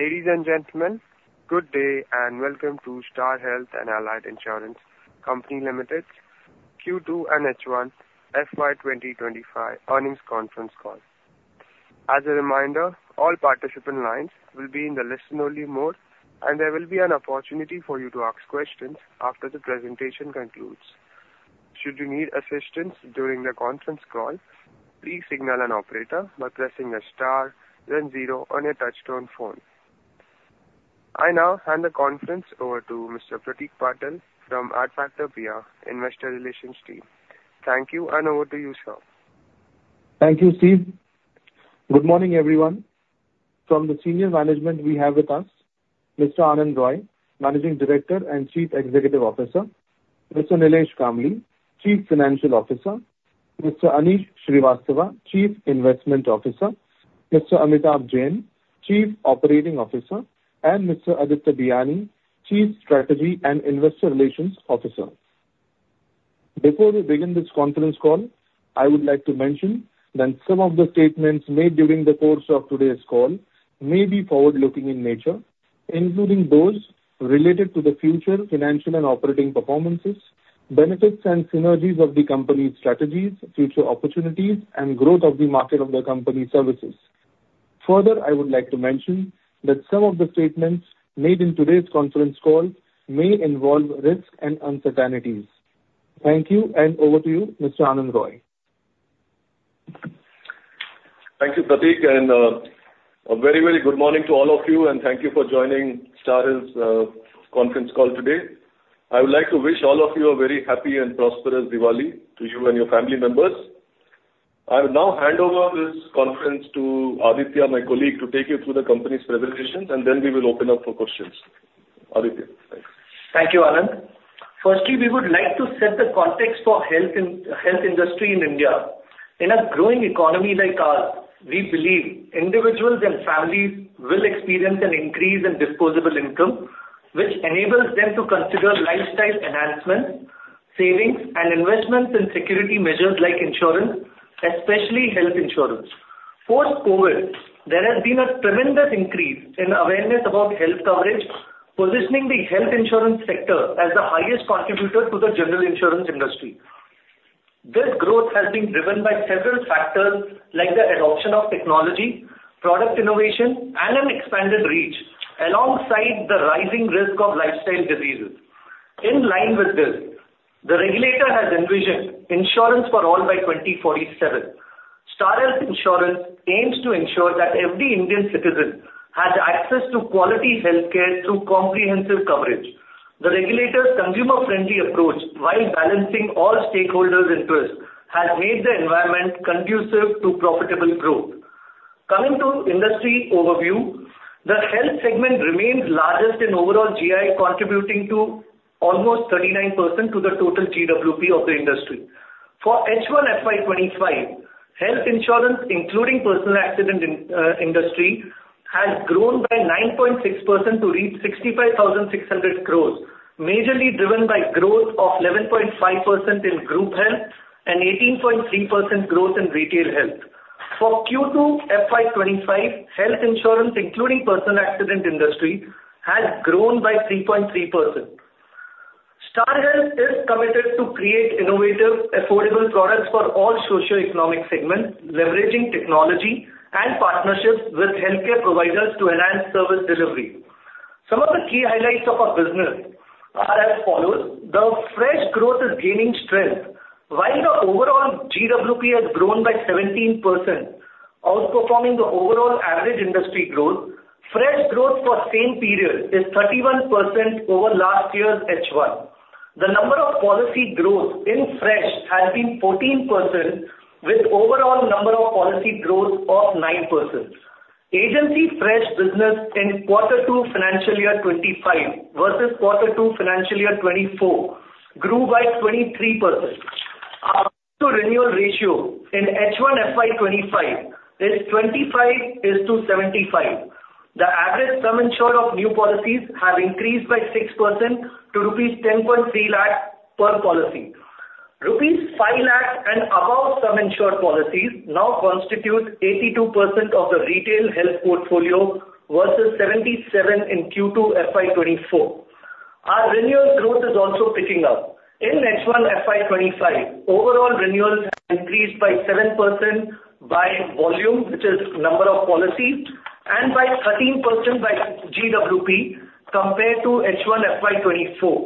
Ladies and gentlemen, good day and welcome to Star Health and Allied Insurance Company Limited Q2 & H1 FY 2025 Earnings Conference Call. As a reminder, all participant lines will be in the listen-only mode, and there will be an opportunity for you to ask questions after the presentation concludes. Should you need assistance during the conference call, please signal an operator by pressing a star, then zero on your touch-tone phone. I now hand the conference over to Mr. Pratik Patel from Adfactors PR, Investor Relations Team. Thank you, and over to you, sir. Thank you, Steve. Good morning, everyone. From the senior management, we have with us Mr. Anand Roy, Managing Director and Chief Executive Officer, Mr. Nilesh Kambli, Chief Financial Officer, Mr. Aneesh Srivastava, Chief Investment Officer, Mr. Amitabh Jain, Chief Operating Officer, and Mr. Aditya Biyani, Chief Strategy and Investor Relations Officer. Before we begin this conference call, I would like to mention that some of the statements made during the course of today's call may be forward-looking in nature, including those related to the future financial and operating performances, benefits and synergies of the company's strategies, future opportunities, and growth of the market of the company's services. Further, I would like to mention that some of the statements made in today's conference call may involve risk and uncertainties. Thank you, and over to you, Mr. Anand Roy. Thank you, Pratik, and a very, very good morning to all of you, and thank you for joining Star Health's conference call today. I would like to wish all of you a very happy and prosperous Diwali to you and your family members. I will now hand over this conference to Aditya, my colleague, to take you through the company's presentations, and then we will open up for questions. Aditya, thanks. Thank you, Anand. Firstly, we would like to set the context for the health industry in India. In a growing economy like ours, we believe individuals and families will experience an increase in disposable income, which enables them to consider lifestyle enhancements, savings, and investments in security measures like insurance, especially health insurance. Post-COVID, there has been a tremendous increase in awareness about health coverage, positioning the health insurance sector as the highest contributor to the general insurance industry. This growth has been driven by several factors like the adoption of technology, product innovation, and an expanded reach, alongside the rising risk of lifestyle diseases. In line with this, the regulator has envisioned insurance for all by 2047. Star Health Insurance aims to ensure that every Indian citizen has access to quality healthcare through comprehensive coverage. The regulator's consumer-friendly approach, while balancing all stakeholders' interests, has made the environment conducive to profitable growth. Coming to industry overview, the health segment remains largest in overall GI, contributing to almost 39% of the total GWP of the industry. For H1FY25, health insurance, including the personal accident industry, has grown by 9.6% to reach 65,600 crores, majorly driven by growth of 11.5% in group health and 18.3% growth in retail health. For Q2FY25, health insurance, including the personal accident industry, has grown by 3.3%. Star Health is committed to creating innovative, affordable products for all socioeconomic segments, leveraging technology and partnerships with healthcare providers to enhance service delivery. Some of the key highlights of our business are as follows: the retail growth is gaining strength, while the overall GWP has grown by 17%, outperforming the overall average industry growth. Fresh growth for the same period is 31% over last year's H1. The number of policy growth in fresh has been 14%, with the overall number of policy growth of 9%. Agency fresh business in Q2 FY25 versus Q2 FY24 grew by 23%. Our renewal ratio in H1 FY25 is 25:75. The average sum insured of new policies has increased by 6% to rupees 10.3 lakhs per policy. Rupees 5 lakhs and above sum insured policies now constitute 82% of the retail health portfolio versus 77% in Q2 FY24. Our renewal growth is also picking up. In H1FY25, overall renewals have increased by 7% by volume, which is the number of policies, and by 13% by GWP compared to H1 FY24.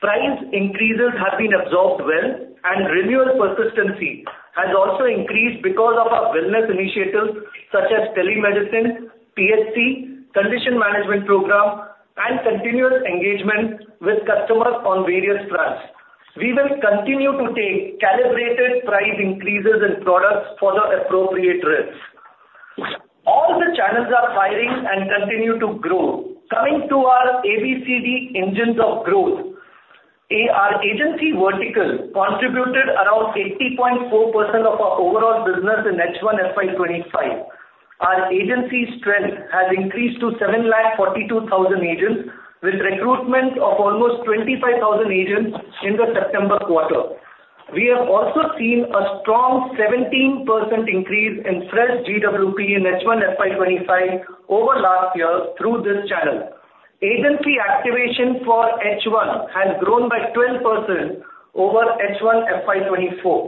Price increases have been absorbed well, and renewal persistency has also increased because of our wellness initiatives such as telemedicine, PHC, condition management program, and continuous engagement with customers on various fronts. We will continue to take calibrated price increases in products for the appropriate risks. All the channels are firing and continue to grow. Coming to our ABCD engines of growth, our agency vertical contributed around 80.4% of our overall business in H1 FY25. Our agency strength has increased to 742,000 agents, with recruitment of almost 25,000 agents in the September quarter. We have also seen a strong 17% increase in fresh GWP in H 1FY25 over last year through this channel. Agency activation for H1 has grown by 12% over H1 FY24.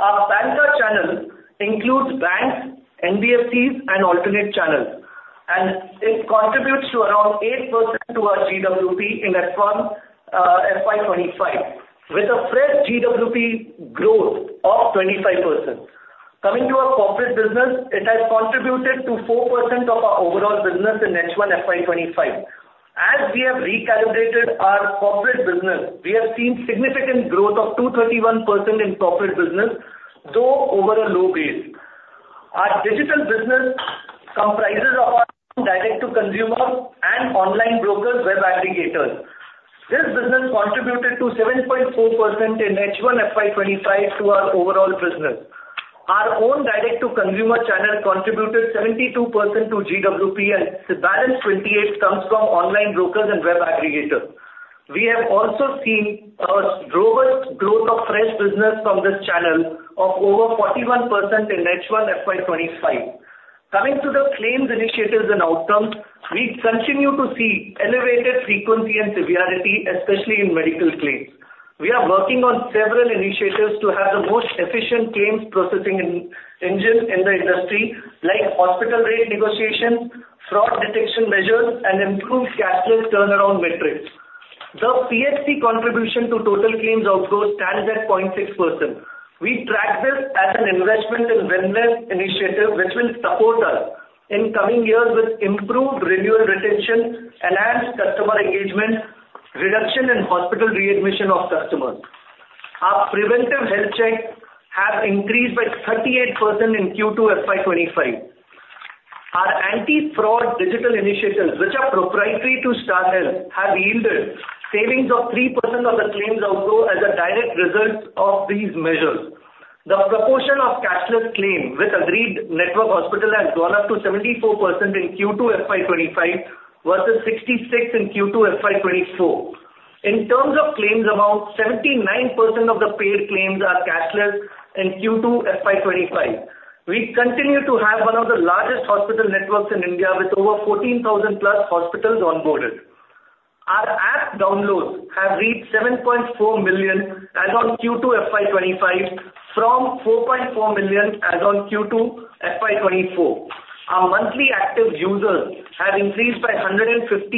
Our Banca channel includes banks, NBFCs, and alternate channels, and it contributes to around 8% to our GWP in FY25, with a fresh GWP growth of 25%. Coming to our corporate business, it has contributed to 4% of our overall business in H1 FY25. As we have recalibrated our corporate business, we have seen significant growth of 231% in corporate business, though over a low base. Our digital business comprises of our direct-to-consumer and online brokers' web aggregators. This business contributed to 7.4% in H1 FY25 to our overall business. Our own direct-to-consumer channel contributed 72% to GWP, and the balance 28% comes from online brokers and web aggregators. We have also seen a robust growth of fresh business from this channel of over 41% in H1 FY25. Coming to the claims initiatives and outcomes, we continue to see elevated frequency and severity, especially in medical claims. We are working on several initiatives to have the most efficient claims processing engine in the industry, like hospital rate negotiations, fraud detection measures, and improved cashless turnaround metrics. The PHC contribution to total claims outgo stands at 0.6%. We track this as an investment in wellness initiatives, which will support us in coming years with improved renewal retention, enhanced customer engagement, reduction in hospital readmission of customers. Our preventive health checks have increased by 38% in Q2FY25. Our anti-fraud digital initiatives, which are proprietary to Star Health, have yielded savings of 3% of the claims outgo as a direct result of these measures. The proportion of cashless claims with agreed network hospitals has gone up to 74% in Q2FY25 versus 66% in Q2FY24. In terms of claims amount, 79% of the paid claims are cashless in Q2FY25. We continue to have one of the largest hospital networks in India, with over 14,000-plus hospitals onboarded. Our app downloads have reached 7.4 million as of Q2FY25, from 4.4 million as of Q2FY24. Our monthly active users have increased by 115%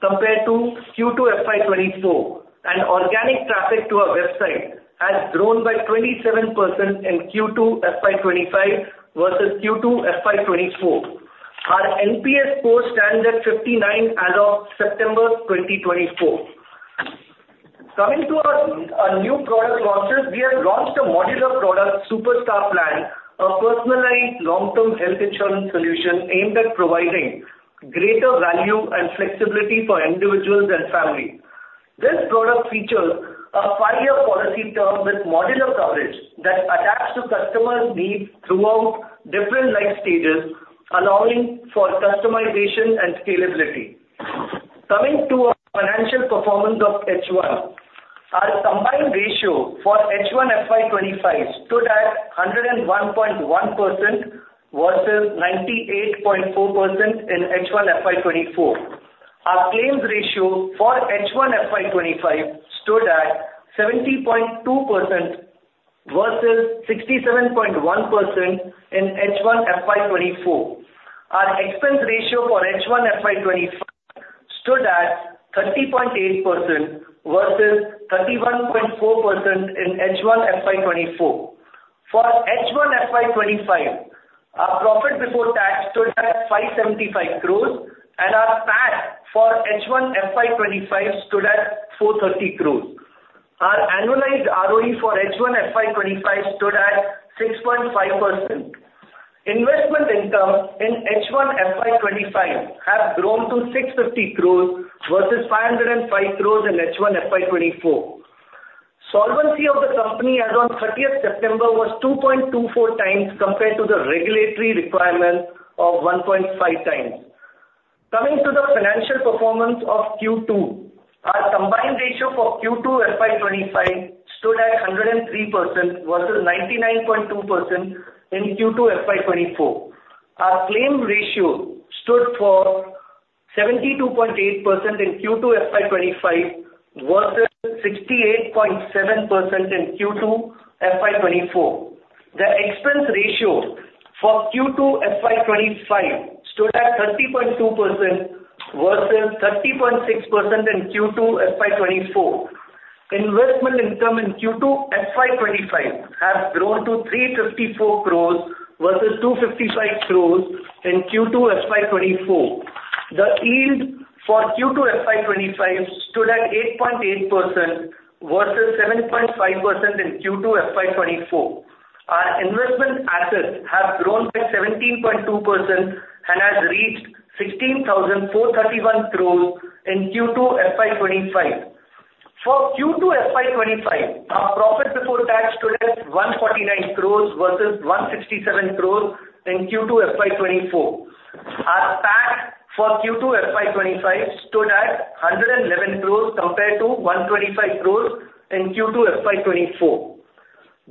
compared to Q2FY24, and organic traffic to our website has grown by 27% in Q2FY25 versus Q2FY24. Our NPS score stands at 59 as of September 2024. Coming to our new product launches, we have launched a modular product, Super Star Plan, a personalized long-term health insurance solution aimed at providing greater value and flexibility for individuals and families. This product features a five-year policy term with modular coverage that adapts to customers' needs throughout different life stages, allowing for customization and scalability. Coming to our financial performance of H1, our combined ratio for H1 FY25 stood at 101.1% versus 98.4% in H1 FY24. Our claims ratio for H1 FY25 stood at 70.2% versus 67.1% in H1 FY24. Our expense ratio for H1 FY25 stood at 30.8% versus 31.4% in H1 FY24. For H1 FY25, our profit before tax stood at 575 crores, and our PAT for H1 FY25 stood at 430 crores. Our annualized ROE for H1 FY25 stood at 6.5%. Investment income in H1 FY25 has grown to 650 crores versus 505 crores in H1 FY24. Solvency of the company as of 30 September was 2.24 times compared to the regulatory requirement of 1.5 times. Coming to the financial performance of Q2, our combined ratio for Q2FY25 stood at 103% versus 99.2% in Q2FY24. Our claim ratio stood for 72.8% in Q2FY25 versus 68.7% in Q2FY24. The expense ratio for Q2FY25 stood at 30.2% versus 30.6% in Q2FY24. Investment income in Q2FY25 has grown to 354 crores versus 255 crores in Q2FY24. The yield for Q2FY25 stood at 8.8% versus 7.5% in Q2FY24. Our investment assets have grown by 17.2% and have reached INR 16,431 crores in Q2FY25. For Q2FY25, our profit before tax stood at 149 crores versus 167 crores in Q2FY24. Our PAT for Q2FY25 stood at 111 crores compared to 125 crores in Q2FY24.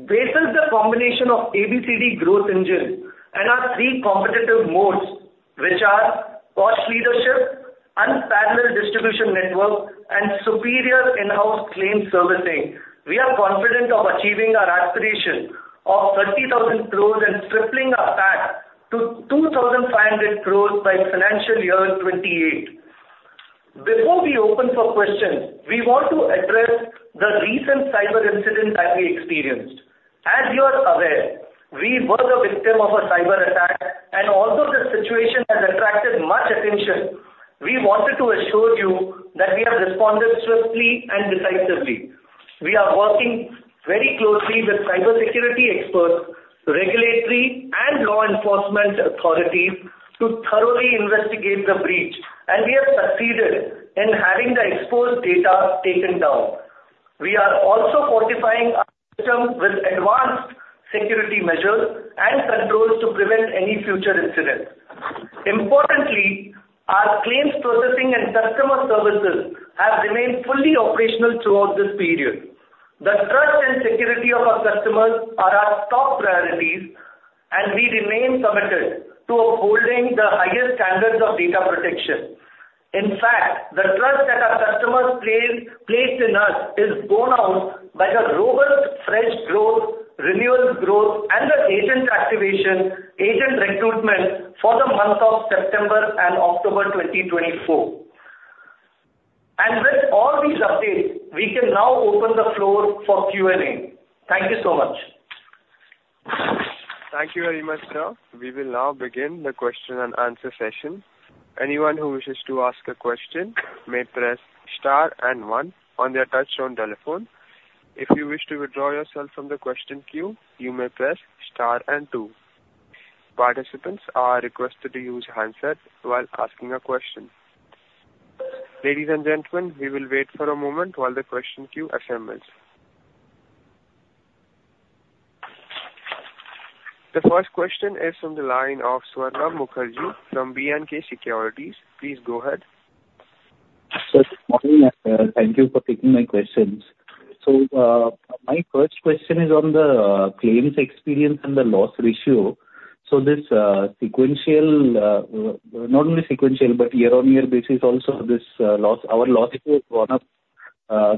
Based on the combination of ABCD growth engine and our three competitive modes, which are cost leadership, unparalleled distribution network, and superior in-house claim servicing, we are confident of achieving our aspiration of 30,000 crores and tripling our PAT to 2,500 crores by financial year 2028. Before we open for questions, we want to address the recent cyber incident that we experienced. As you are aware, we were the victim of a cyber attack, and although the situation has attracted much attention, we wanted to assure you that we have responded swiftly and decisively. We are working very closely with cybersecurity experts, regulatory, and law enforcement authorities to thoroughly investigate the breach, and we have succeeded in having the exposed data taken down. We are also fortifying our system with advanced security measures and controls to prevent any future incidents. Importantly, our claims processing and customer services have remained fully operational throughout this period. The trust and security of our customers are our top priorities, and we remain committed to upholding the highest standards of data protection. In fact, the trust that our customers placed in us is borne out by the robust fresh growth, renewal growth, and the agent activation, agent recruitment for the month of September and October 2024. And with all these updates, we can now open the floor for Q&A. Thank you so much. Thank you very much, sir. We will now begin the question and answer session. Anyone who wishes to ask a question may press star and one on their touch-tone telephone. If you wish to withdraw yourself from the question queue, you may press star and two. Participants are requested to use handset while asking a question. Ladies and gentlemen, we will wait for a moment while the question queue assembles. The first question is from the line of Swarnabha Mukherjee from B&K Securities. Please go ahead. Good morning, sir. Thank you for taking my questions. So my first question is on the claims experience and the loss ratio. So this sequential, not only sequential but year-on-year basis, also this loss, our loss has gone up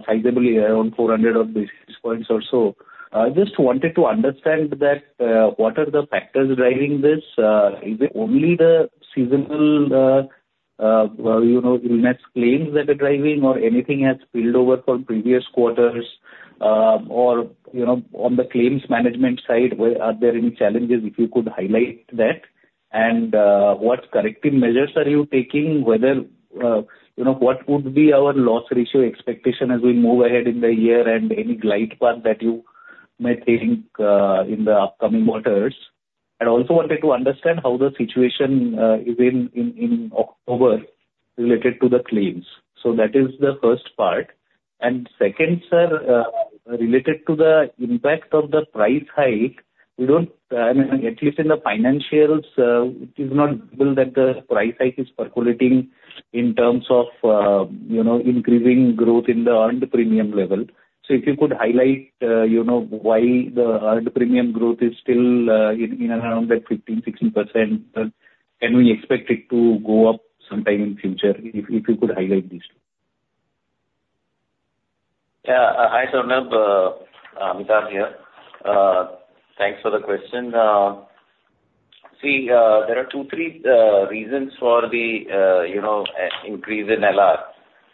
sizably around 400 basis points or so. I just wanted to understand that what are the factors driving this? Is it only the seasonal illness claims that are driving, or anything has spilled over from previous quarters? Or on the claims management side, are there any challenges? If you could highlight that, and what corrective measures are you taking? What would be our loss ratio expectation as we move ahead in the year, and any glide path that you may take in the upcoming quarters? I also wanted to understand how the situation is in October related to the claims. So that is the first part. And second, sir, related to the impact of the price hike, we don't, at least in the financials, it is not visible that the price hike is percolating in terms of increasing growth in the earned premium level. So if you could highlight why the earned premium growth is still in and around that 15%, 16%, then can we expect it to go up sometime in the future? If you could highlight these two. Yeah. Hi, Swarnabha. Amitabh here. Thanks for the question. See, there are two or three reasons for the increase in LR.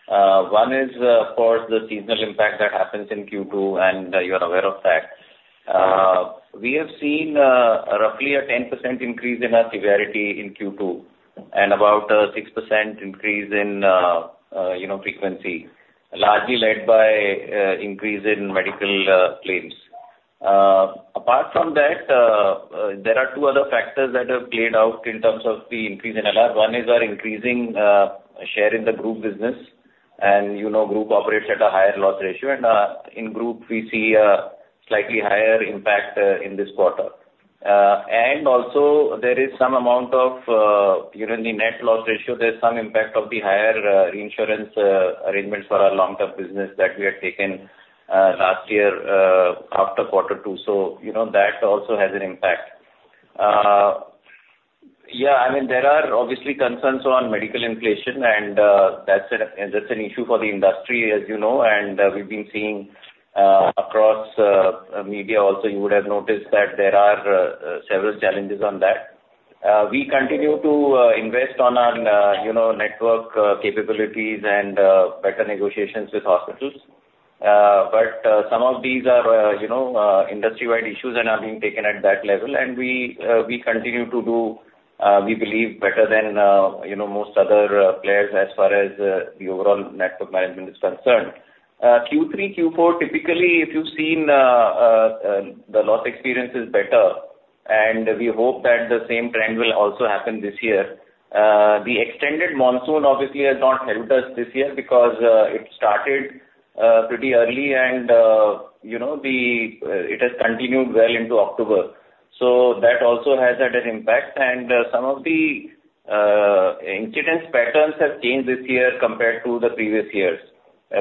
One is for the seasonal impact that happens in Q2, and you are aware of that. We have seen roughly a 10% increase in our severity in Q2 and about a 6% increase in frequency, largely led by increase in medical claims. Apart from that, there are two other factors that have played out in terms of the increase in LR. One is our increasing share in the group business, and group operates at a higher loss ratio, and in group, we see a slightly higher impact in this quarter. And also, there is some amount of, in the net loss ratio, there's some impact of the higher reinsurance arrangements for our long-term business that we had taken last year after quarter two. So that also has an impact. Yeah, I mean, there are obviously concerns on medical inflation, and that's an issue for the industry, as you know, and we've been seeing across media also. You would have noticed that there are several challenges on that. We continue to invest on our network capabilities and better negotiations with hospitals. But some of these are industry-wide issues and are being taken at that level, and we continue to do, we believe, better than most other players as far as the overall network management is concerned. Q3, Q4, typically, if you've seen the loss experience is better, and we hope that the same trend will also happen this year. The extended monsoon obviously has not helped us this year because it started pretty early, and it has continued well into October. So that also has had an impact, and some of the incidence patterns have changed this year compared to the previous years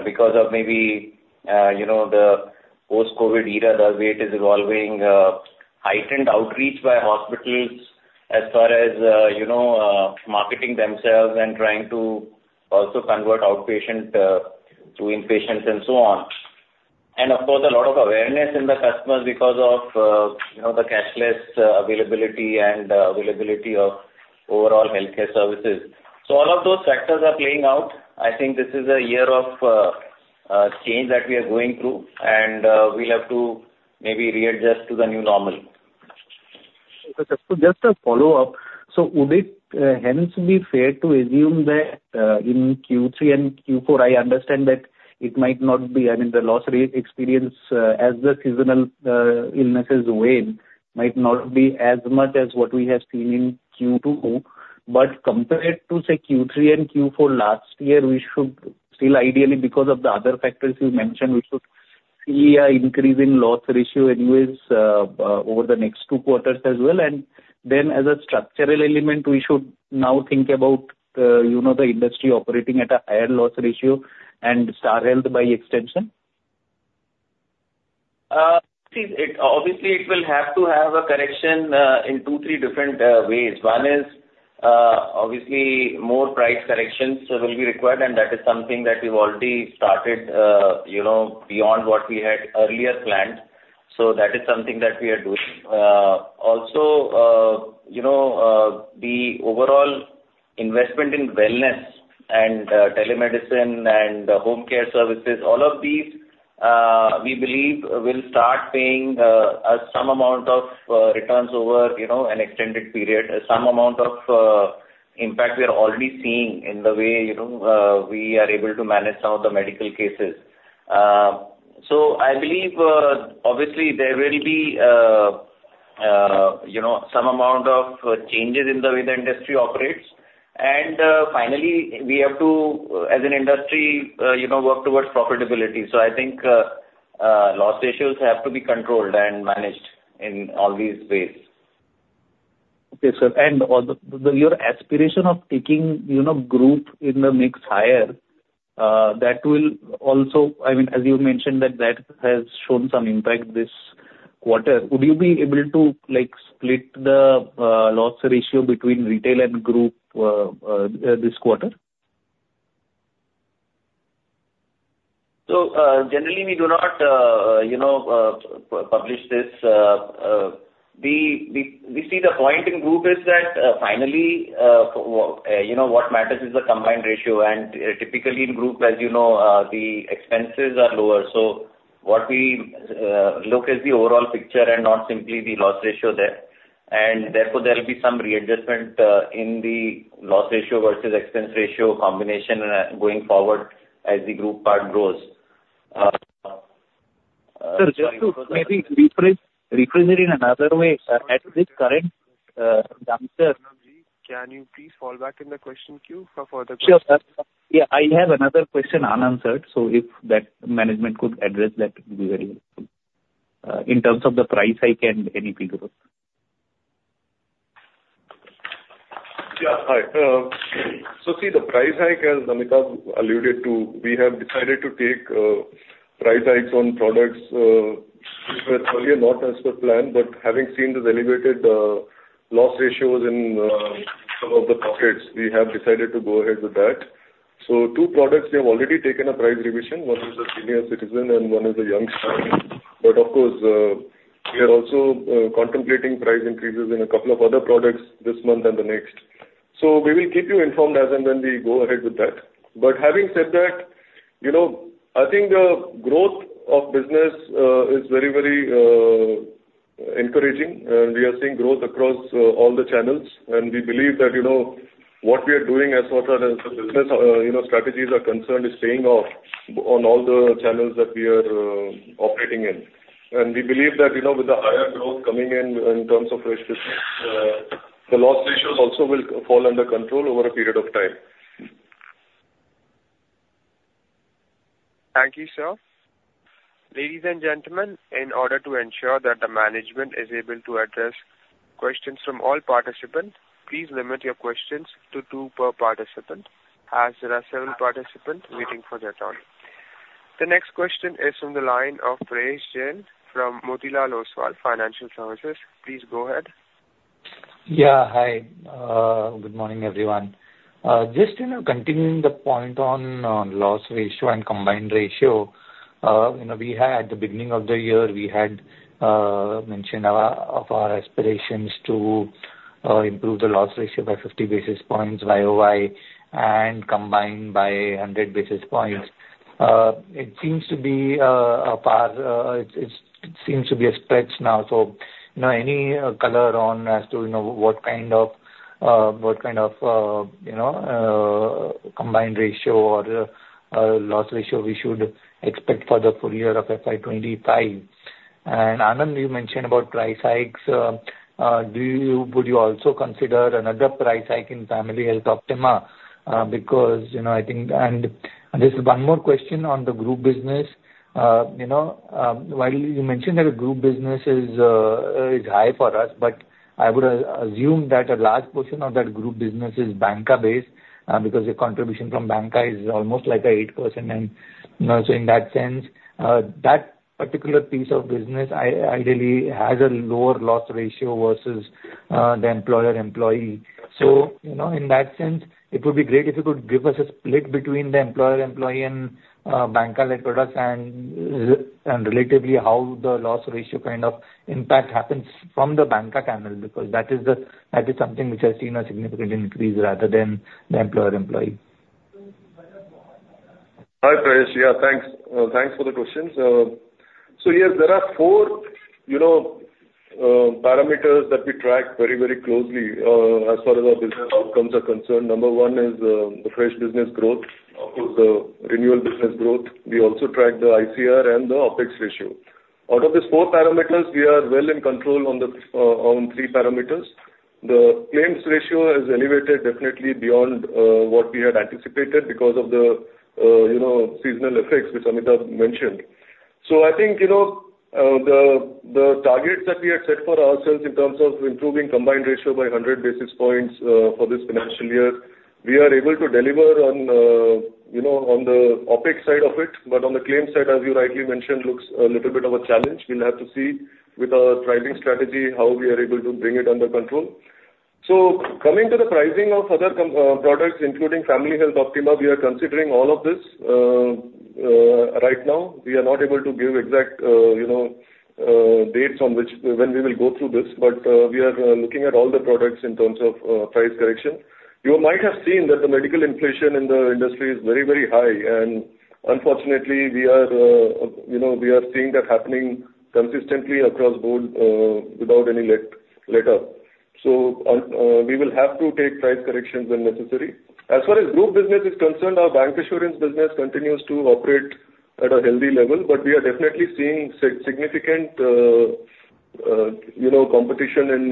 because of maybe the post-COVID era, the way it is evolving, heightened outreach by hospitals as far as marketing themselves and trying to also convert outpatient to inpatients and so on, and of course, a lot of awareness in the customers because of the cashless availability and availability of overall healthcare services, so all of those factors are playing out. I think this is a year of change that we are going through, and we'll have to maybe readjust to the new normal. So just to follow up, so would it hence be fair to assume that in Q3 and Q4, I understand that it might not be, I mean, the loss experience as the seasonal illnesses wave might not be as much as what we have seen in Q2, but compared to, say, Q3 and Q4 last year, we should still ideally, because of the other factors you mentioned, we should see an increase in loss ratio anyways over the next two quarters as well. And then, as a structural element, we should now think about the industry operating at a higher loss ratio and Star Health by extension? See, obviously, it will have to have a correction in two, three different ways. One is obviously more price corrections will be required, and that is something that we've already started beyond what we had earlier planned. So that is something that we are doing. Also, the overall investment in wellness and telemedicine and home care services, all of these, we believe, will start paying us some amount of returns over an extended period, some amount of impact we are already seeing in the way we are able to manage some of the medical cases. So I believe, obviously, there will be some amount of changes in the way the industry operates. And finally, we have to, as an industry, work towards profitability. So I think loss ratios have to be controlled and managed in all these ways. Okay, sir. And your aspiration of taking group in the mix higher, that will also, I mean, as you mentioned, that has shown some impact this quarter. Would you be able to split the loss ratio between retail and group this quarter? So generally, we do not publish this. We see the point in group is that finally, what matters is the combined ratio, and typically in group, as you know, the expenses are lower. So what we look is the overall picture and not simply the loss ratio there, and therefore, there will be some readjustment in the loss ratio versus expense ratio combination going forward as the group part grows. Sir, just to maybe rephrase it in another way, sir, at this current juncture, Can you please fall back in the question queue for the question? Sure, sir. Yeah, I have another question unanswered, so if that management could address that, it would be very helpful. In terms of the price hike and anything else. Yeah. Hi. So see, the price hike as Amitabh alluded to, we have decided to take price hikes on products which were earlier not as per plan. But having seen the elevated loss ratios in some of the pockets, we have decided to go ahead with that. So two products we have already taken a price revision. One is the senior citizen and one is the Young Star. But of course, we are also contemplating price increases in a couple of other products this month and the next. So we will keep you informed as and when we go ahead with that. But having said that, I think the growth of business is very, very encouraging. We are seeing growth across all the channels, and we believe that what we are doing as far as business strategies are concerned is paying off on all the channels that we are operating in. And we believe that with the higher growth coming in in terms of fresh business, the loss ratios also will fall under control over a period of time. Thank you, sir. Ladies and gentlemen, in order to ensure that the management is able to address questions from all participants, please limit your questions to two per participant as there are several participants waiting for their turn. The next question is from the line of Prayesh Jain from Motilal Oswal Financial Services. Please go ahead. Yeah. Hi. Good morning, everyone. Just continuing the point on loss ratio and combined ratio, we had at the beginning of the year, we had mentioned of our aspirations to improve the loss ratio by 50 basis points YOY and combined by 100 basis points. It seems to be a stretch now. So, any color on as to what kind of combined ratio or loss ratio we should expect for the full year of FY25. And Anand, you mentioned about price hikes. Would you also consider another price hike in Family Health Optima? Because I think, and this is one more question on the group business. While you mentioned that the group business is high for us, but I would assume that a large portion of that group business is banca-based because the contribution from banca is almost like 8%. And so in that sense, that particular piece of business ideally has a lower loss ratio versus the employer-employee. So, in that sense, it would be great if you could give us a split between the employer-employee and banca-led products and relatively how the loss ratio kind of impact happens from the banca channel because that is something which has seen a significant increase rather than the employer-employee. Hi, Prayesh. Yeah, thanks. Thanks for the questions. Yes, there are four parameters that we track very, very closely as far as our business outcomes are concerned. Number one is the fresh business growth, of course, the renewal business growth. We also track the ICR and the OpEx ratio. Out of these four parameters, we are well in control on three parameters. The claims ratio has elevated definitely beyond what we had anticipated because of the seasonal effects which Amitabh mentioned. I think the targets that we had set for ourselves in terms of improving Combined Ratio by 100 basis points for this financial year, we are able to deliver on the OPEX side of it, but on the claims side, as you rightly mentioned, looks a little bit of a challenge. We'll have to see with our driving strategy how we are able to bring it under control. Coming to the pricing of other products, including Family Health Optima, we are considering all of this. Right now, we are not able to give exact dates on which when we will go through this, but we are looking at all the products in terms of price correction. You might have seen that the medical inflation in the industry is very, very high, and unfortunately, we are seeing that happening consistently across the board without any let up. So we will have to take price corrections when necessary. As far as group business is concerned, our bancassurance business continues to operate at a healthy level, but we are definitely seeing significant competition in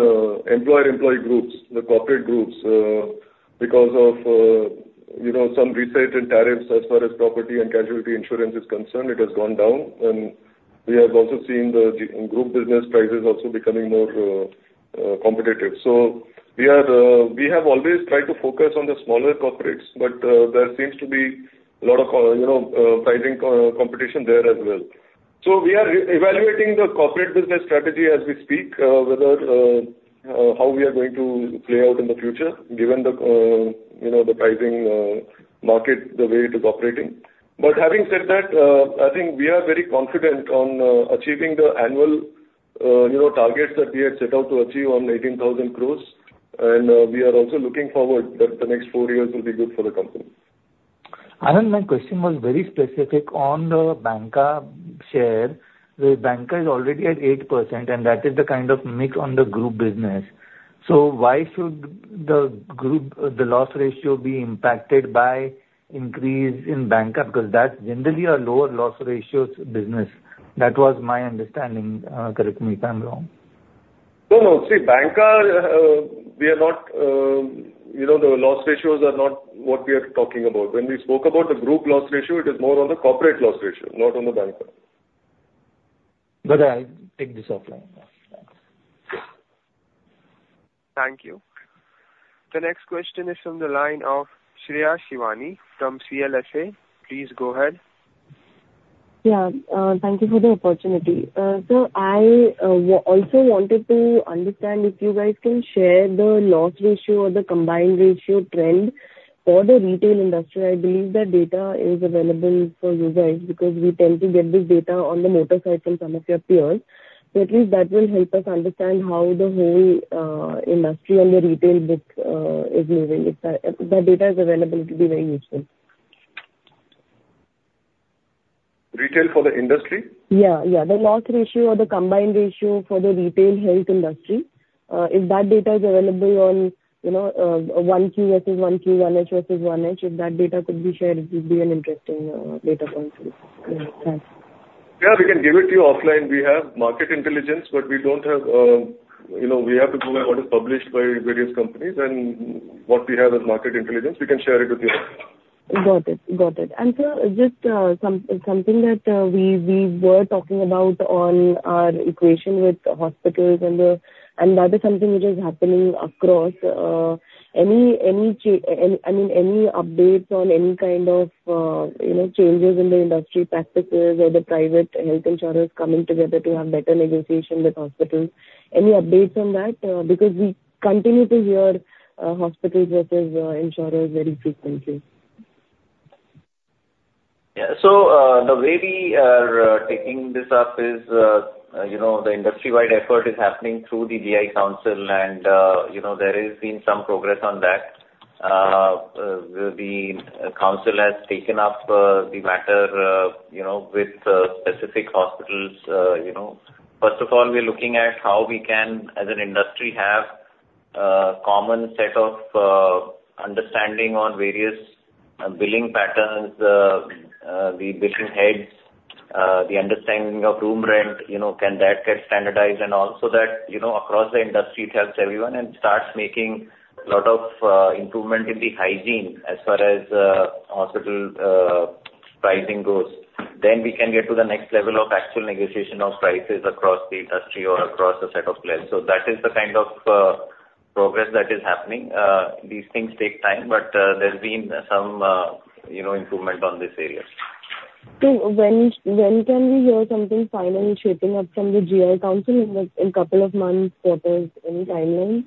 employer-employee groups, the corporate groups, because of some reset in tariffs as far as property and casualty insurance is concerned. It has gone down, and we have also seen the group business prices also becoming more competitive. So we have always tried to focus on the smaller corporates, but there seems to be a lot of pricing competition there as well. So we are evaluating the corporate business strategy as we speak, how we are going to play out in the future, given the pricing market, the way it is operating. But having said that, I think we are very confident on achieving the annual targets that we had set out to achieve on 18,000 crores, and we are also looking forward that the next four years will be good for the company. Anand, my question was very specific on the banca share. The banca is already at 8%, and that is the kind of mix on the group business. So why should the loss ratio be impacted by increase in banca? Because that's generally a lower loss ratio business. That was my understanding. Correct me if I'm wrong. No, no. See, banca. We are not. The loss ratios are not what we are talking about. When we spoke about the group loss ratio, it is more on the corporate loss ratio, not on the banca. Got it. I'll take this offline. Thank you. The next question is from the line of Shreya Shivani from CLSA. Please go ahead. Yeah. Thank you for the opportunity. So I also wanted to understand if you guys can share the loss ratio or the combined ratio trend for the retail industry. I believe that data is available for you guys because we tend to get this data on the monthly from some of your peers. So at least that will help us understand how the whole industry and the retail book is moving. That data would be very useful. Retail for the industry? Yeah, yeah. The loss ratio or the combined ratio for the retail health industry. If that data is available on 1Q versus 1Q, 1H versus 1H, if that data could be shared, it would be an interesting data point. Thanks. Yeah, we can give it to you offline. We have market intelligence, but we don't have. We have to go what is published by various companies, and what we have is market intelligence. We can share it with you. Got it. Got it. And sir, just something that we were talking about on our equation with hospitals, and that is something which is happening across. I mean, any updates on any kind of changes in the industry practices or the private health insurers coming together to have better negotiation with hospitals? Any updates on that? Because we continue to hear hospitals versus insurers very frequently. Yeah. So the way we are taking this up is the industry-wide effort is happening through the GI Council, and there has been some progress on that. The council has taken up the matter with specific hospitals. First of all, we're looking at how we can, as an industry, have a common set of understanding on various billing patterns, the billing heads, the understanding of room rent. Can that get standardized? And also that across the industry, it helps everyone and starts making a lot of improvement in the hygiene as far as hospital pricing goes. Then we can get to the next level of actual negotiation of prices across the industry or across a set of players. So that is the kind of progress that is happening. These things take time, but there's been some improvement on this area. So when can we hear something final shaping up from the GI Council in a couple of months, quarters, any timeline?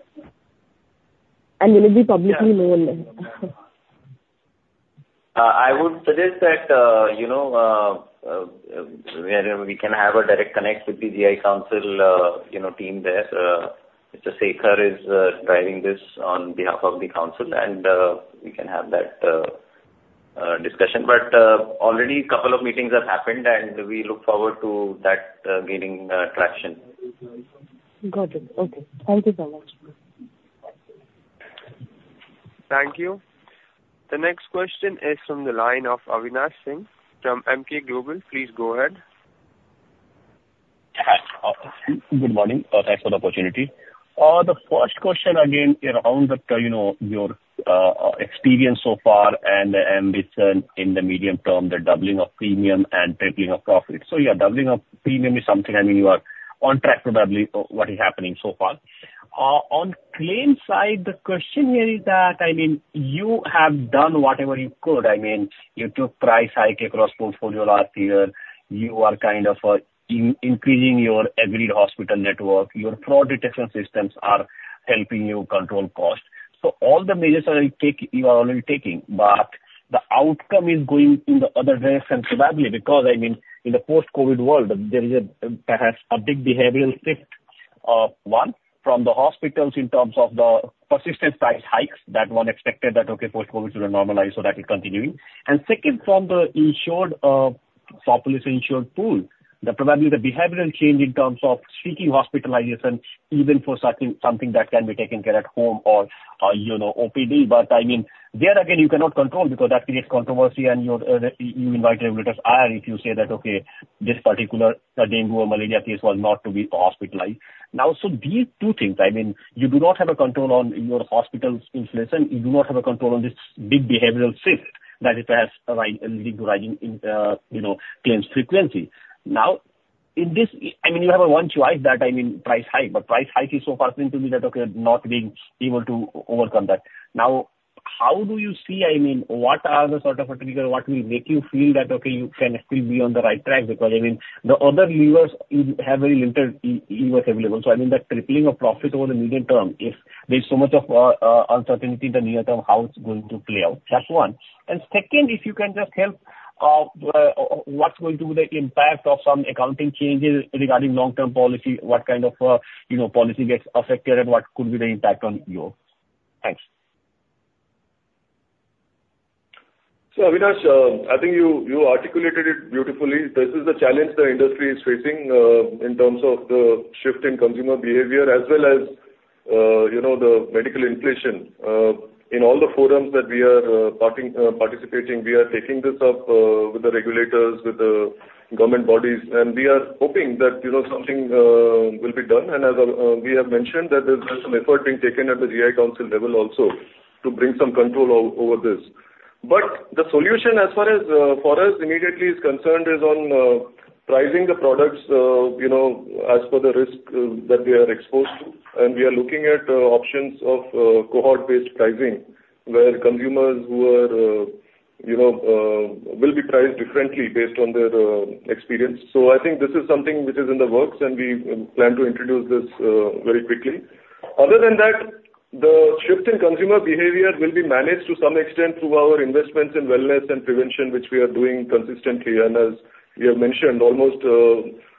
And will it be publicly known then? I would suggest that we can have a direct connect with the GI Council team there. Mr. Segar is driving this on behalf of the council, and we can have that discussion. But already a couple of meetings have happened, and we look forward to that gaining traction. Got it. Okay. Thank you so much. Thank you. The next question is from the line of Avinash Singh from Emkay Global Financial Services. Please go ahead. Hi. Good morning. Thanks for the opportunity. The first question again around your experience so far and ambition in the medium term, the doubling of premium and tripling of profit. So yeah, doubling of premium is something, I mean, you are on track probably what is happening so far. On claim side, the question here is that, I mean, you have done whatever you could. I mean, you took price hike across portfolio last year. You are kind of increasing your aggregate hospital network. Your fraud detection systems are helping you control cost. So all the measures you are already taking, but the outcome is going in the other direction probably because, I mean, in the post-COVID world, there is perhaps a big behavioral shift of one from the hospitals in terms of the persistent price hikes that one expected that, okay, post-COVID should normalize, so that is continuing. And second, from the insured population, insured pool, that probably the behavioral change in terms of seeking hospitalization, even for something that can be taken care at home or OPD. But I mean, there again, you cannot control because that creates controversy, and you invite regulator's eye if you say that, okay, this particular dengue or malaria case was not to be hospitalized. Now, so these two things, I mean, you do not have a control on your hospital's inflation. You do not have a control on this big behavioral shift that it has leading to rising claims frequency. Now, in this, I mean, you have one choice that, I mean, price hike. But price hike is so far, it seems to me that, okay, not being able to overcome that. Now, how do you see, I mean, what are the sort of what will make you feel that, okay, you can still be on the right track? Because, I mean, the other levers, you have very limited levers available. So I mean, that tripling of profit over the medium term, if there's so much of uncertainty in the near term, how it's going to play out? That's one. And second, if you can just help what's going to be the impact of some accounting changes regarding long-term policy, what kind of policy gets affected, and what could be the impact on you? Thanks. So Avinash, I think you articulated it beautifully. This is the challenge the industry is facing in terms of the shift in consumer behavior as well as the medical inflation. In all the forums that we are participating, we are taking this up with the regulators, with the government bodies. And we are hoping that something will be done. And as we have mentioned, there's been some effort being taken at the GI Council level also to bring some control over this. But the solution as far as for us immediately is concerned is on pricing the products as per the risk that they are exposed to. We are looking at options of cohort-based pricing where consumers who will be priced differently based on their experience. I think this is something which is in the works, and we plan to introduce this very quickly. Other than that, the shift in consumer behavior will be managed to some extent through our investments in wellness and prevention, which we are doing consistently. As you have mentioned, almost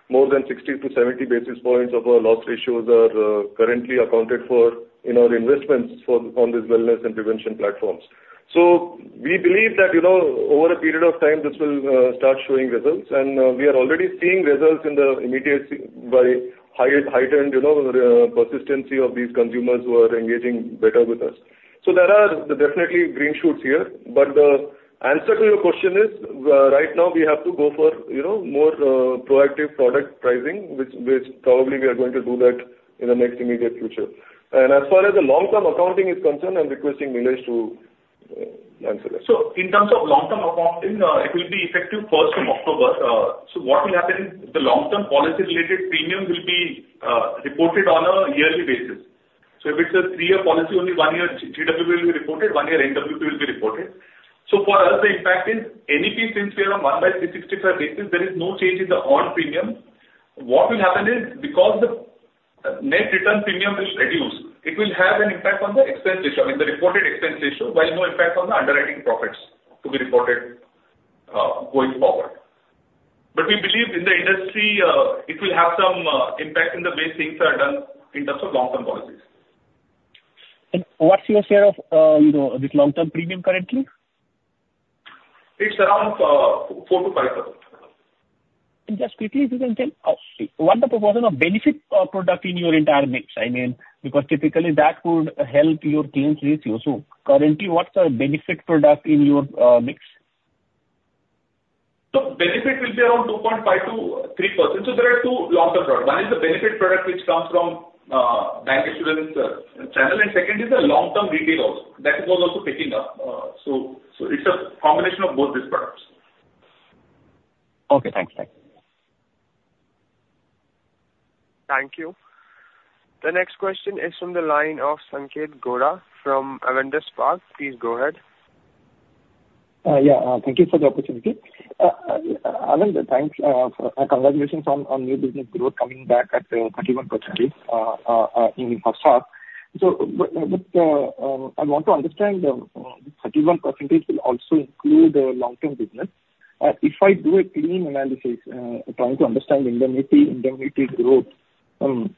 more than 60-70 basis points of our loss ratios are currently accounted for in our investments on these wellness and prevention platforms. We believe that over a period of time, this will start showing results. We are already seeing results in the immediate high-end persistency of these consumers who are engaging better with us. There are definitely green shoots here. But the answer to your question is, right now, we have to go for more proactive product pricing, which probably we are going to do that in the next immediate future. And as far as the long-term accounting is concerned, I'm requesting Nilesh to answer that. So in terms of long-term accounting, it will be effective 1st of October. So what will happen? The long-term policy-related premium will be reported on a yearly basis. So if it's a three-year policy, only one year GWP will be reported, one year NWP will be reported. So for us, the impact is anything since we are on 1 by 365 basis, there is no change in the on-premium. What will happen is because the net return premium is reduced, it will have an impact on the expense ratio, I mean, the reported expense ratio, while no impact on the underwriting profits to be reported going forward. But we believe in the industry, it will have some impact in the way things are done in terms of long-term policies. And what's your share of this long-term premium currently? It's around 4%-5%. And just quickly, if you can tell, what's the proportion of benefit product in your entire mix? I mean, because typically that would help your claims ratio. So currently, what's the benefit product in your mix? So benefit will be around 2.5%-3%. So there are two long-term products. One is the benefit product which comes from bank insurance channel, and second is the long-term retailers. That is what's also picking up. So it's a combination of both these products. Okay. Thanks. Thanks. Thank you. The next question is from the line of Sanket Goda from Avendus Spark. Please go ahead. Yeah. Thank you for the opportunity. Anand, thanks. Congratulations on new business growth coming back at 31% in H1 FY25. So I want to understand the 31% will also include long-term business. If I do a clean analysis, trying to understand indemnity growth and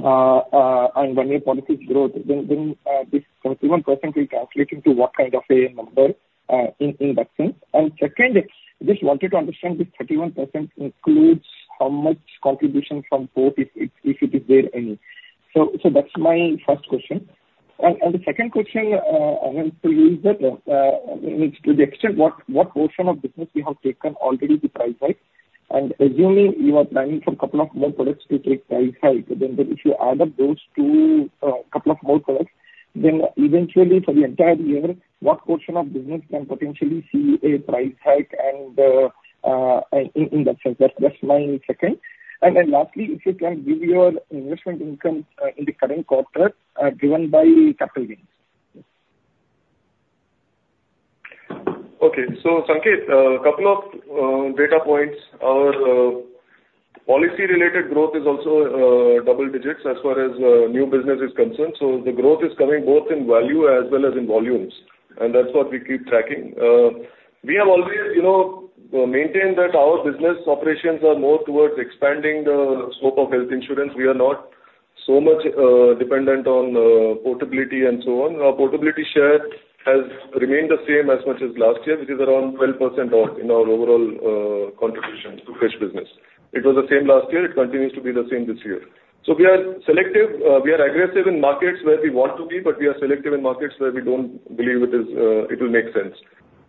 one-year policy growth, then this 31% will translate into what kind of a number in that sense? And second, just wanted to understand this 31% includes how much contribution from both, if it is there any. So that's my first question. And the second question, Anand, to you is that to the extent what portion of business we have taken already to price hike? Assuming you are planning for a couple of more products to take price hike, then if you add up those two couple of more products, then eventually for the entire year, what portion of business can potentially see a price hike in that sense? That's my second. And then lastly, if you can give your investment income in the current quarter driven by capital gains? Okay. Sanket, a couple of data points. Our policy-related growth is also double digits as far as new business is concerned. The growth is coming both in value as well as in volumes. That's what we keep tracking. We have always maintained that our business operations are more towards expanding the scope of health insurance. We are not so much dependent on portability and so on. Our portability share has remained the same as much as last year, which is around 12% of in our overall contribution to fresh business. It was the same last year. It continues to be the same this year. So we are selective. We are aggressive in markets where we want to be, but we are selective in markets where we don't believe it will make sense.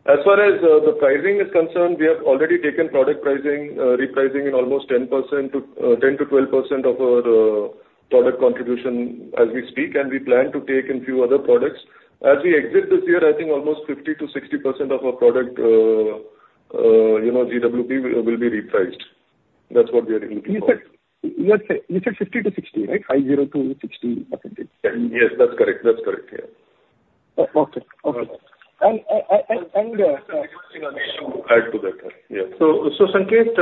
As far as the pricing is concerned, we have already taken product pricing, repricing in almost 10%-12% of our product contribution as we speak. And we plan to take in a few other products. As we exit this year, I think almost 50%-60% of our product GWP will be repriced. That's what we are looking for. You said 50%-60%, right? 50%-60% percentage. Yes, that's correct. That's correct. Yeah. Okay. Okay. Add to that. Yeah. So Sanket,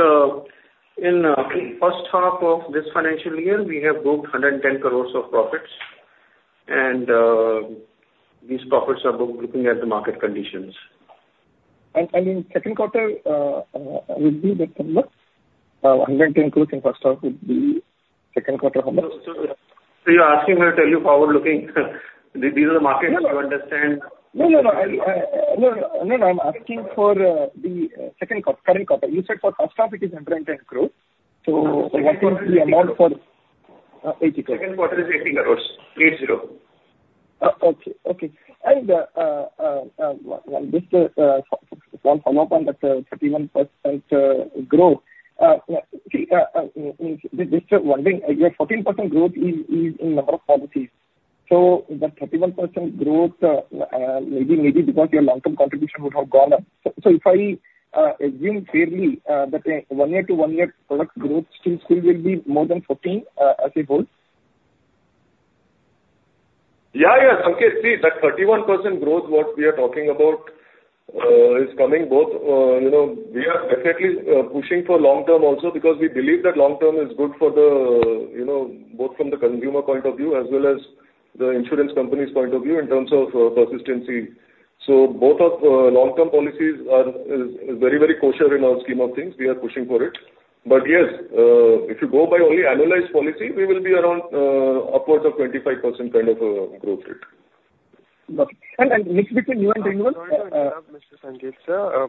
in the first half of this financial year, we have booked 110 crores of profits. And these profits are booked looking at the market conditions. And in second quarter, will be that 110 crores in H1 would be second quarter how much? So you're asking me to tell you how we're looking? These are the markets you understand? No, no, no. No, no. I'm asking for the second quarter, current quarter. You said for H1, it is 110 crores. So what would be the amount for 80 crores? Second quarter is 80 crores. 80. Okay. Okay. And just to follow up on that 31% growth, just wondering, your 14% growth is in number of policies. So that 31% growth, maybe because your long-term contribution would have gone up. So if I assume fairly that one-year to one-year product growth still will be more than 14% as a whole? Yeah, yeah. Sanket, see, that 31% growth, what we are talking about, is coming both. We are definitely pushing for long-term also because we believe that long-term is good for both from the consumer point of view as well as the insurance company's point of view in terms of persistency. So both of long-term policies are very, very kosher in our scheme of things. We are pushing for it. But yes, if you go by only annualized policy, we will be around upwards of 25% kind of growth rate. Okay. And mix between you and retail. Mr. Sanket,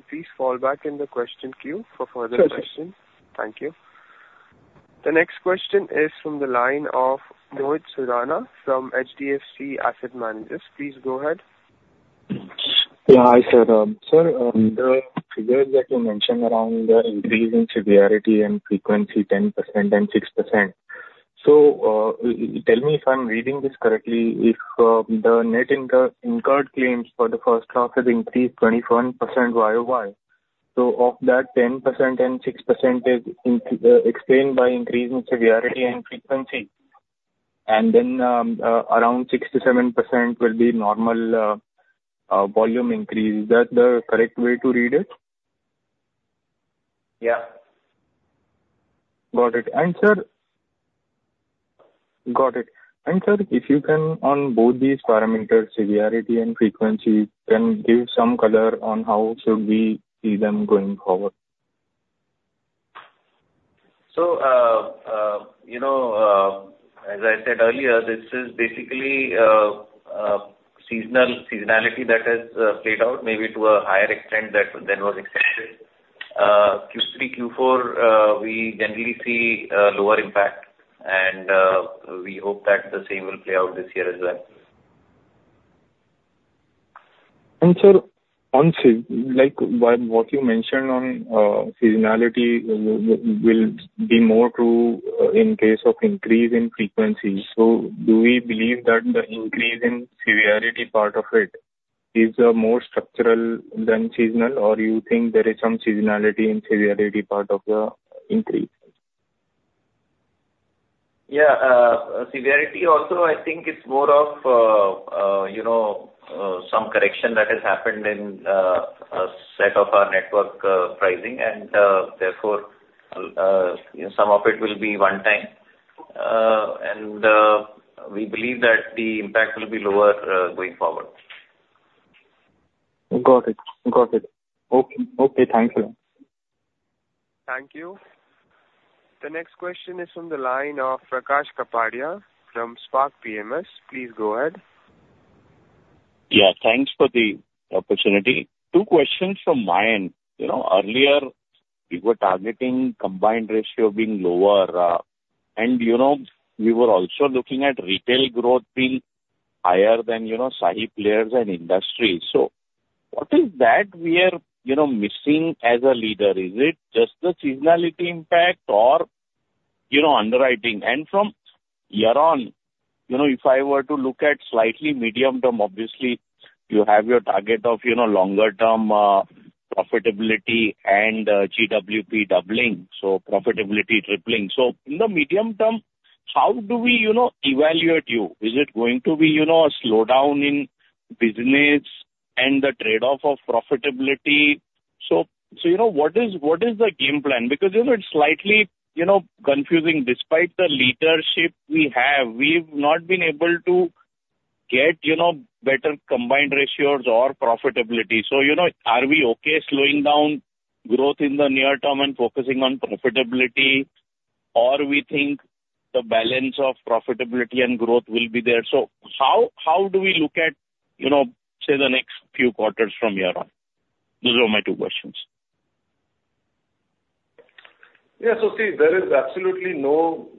please fall back in the question queue for further questions. Thank you. The next question is from the line of Mohit Surana from HDFC Asset Management Company. Please go ahead. Yeah. Hi, sir. Sir, figures that you mentioned around increasing severity and frequency 10% and 6%. So tell me if I'm reading this correctly, if the net incurred claims for the first half have increased 21% YOY. So of that, 10% and 6% is explained by increasing severity and frequency, and then around 6% to 7% will be normal volume increase. Is that the correct way to read it? Yeah. Got it. And, sir, if you can, on both these parameters, severity and frequency, can give some color on how should we see them going forward? So as I said earlier, this is basically seasonality that has played out maybe to a higher extent than was expected. Q3, Q4, we generally see lower impact. And we hope that the same will play out this year as well. And, sir, once what you mentioned on seasonality will be more true in case of increase in frequency. So do we believe that the increase in severity part of it is more structural than seasonal, or you think there is some seasonality in severity part of the increase? Yeah. Severity also, I think it's more of some correction that has happened in a set of our network pricing. And therefore, some of it will be one time. And we believe that the impact will be lower going forward. Got it. Got it. Okay. Thank you. Thank you. The next question is from the line of Prakash Kapadia from Spark PMS. Please go ahead. Yeah. Thanks for the opportunity. Two questions from my end. Earlier, we were targeting combined ratio being lower. And we were also looking at retail growth being higher than peer players and industry. So what is that we are missing as a leader? Is it just the seasonality impact or underwriting? And from year on, if I were to look at slightly medium term, obviously, you have your target of longer-term profitability and GWP doubling, so profitability tripling. So in the medium term, how do we evaluate you? Is it going to be a slowdown in business and the trade-off of profitability? So what is the game plan? Because it's slightly confusing. Despite the leadership we have, we've not been able to get better combined ratios or profitability. So are we okay slowing down growth in the near term and focusing on profitability, or we think the balance of profitability and growth will be there? So how do we look at, say, the next few quarters from year on? Those are my two questions. Yeah. So see, there is absolutely no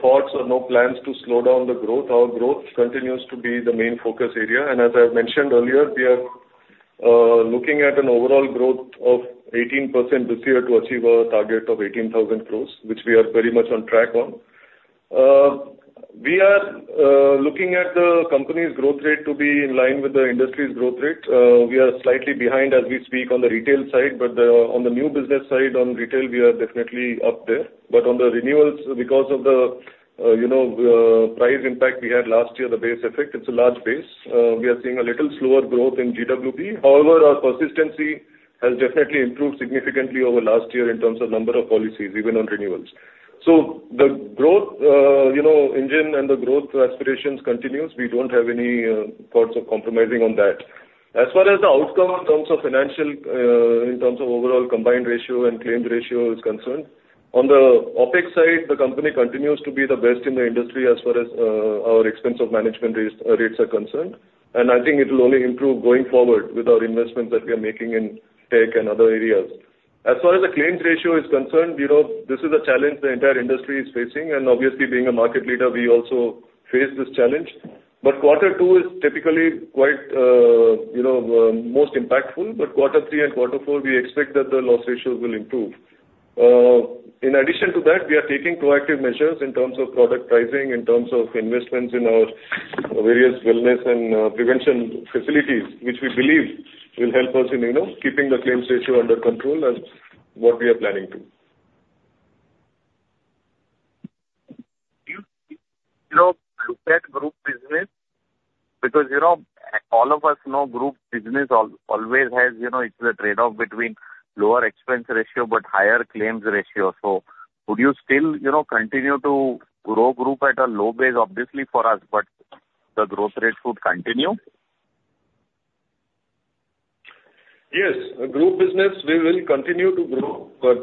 thoughts or no plans to slow down the growth. Our growth continues to be the main focus area. And as I've mentioned earlier, we are looking at an overall growth of 18% this year to achieve a target of 18,000 crores, which we are very much on track on. We are looking at the company's growth rate to be in line with the industry's growth rate. We are slightly behind as we speak on the retail side. But on the new business side on retail, we are definitely up there. But on the renewals, because of the price impact we had last year, the base effect, it's a large base. We are seeing a little slower growth in GWP. However, our persistency has definitely improved significantly over last year in terms of number of policies, even on renewals. So the growth engine and the growth aspirations continue. We don't have any thoughts of compromising on that. As far as the outcome in terms of financial, in terms of overall combined ratio and claims ratio is concerned, on the OpEx side, the company continues to be the best in the industry as far as our expense of management rates are concerned. And I think it will only improve going forward with our investments that we are making in tech and other areas. As far as the claims ratio is concerned, this is a challenge the entire industry is facing. And obviously, being a market leader, we also face this challenge. But quarter two is typically quite most impactful. But quarter three and quarter four, we expect that the loss ratios will improve. In addition to that, we are taking proactive measures in terms of product pricing, in terms of investments in our various wellness and prevention facilities, which we believe will help us in keeping the claims ratio under control as what we are planning to. Do you look at group business? Because all of us know group business always has its trade-off between lower expense ratio but higher claims ratio. So would you still continue to grow group at a low base, obviously, for us, but the growth rate would continue? Yes. Group business, we will continue to grow. But